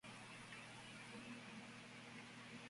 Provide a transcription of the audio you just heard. La sede es gobernada por el obispo capuchino Calogero Peri.